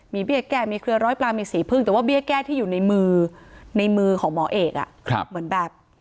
มีเบี้ยแก้มีเครือร้อยปลามีสีพึ่งแต่ว่าเบี้ยแก้ที่อยู่ในมือในมือของหมอเอกเหมือนแบบ